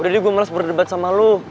udah deh gue males berdebat sama lo